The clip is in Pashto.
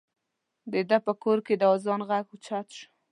د ده په کور کې د اذان غږ اوچت شو.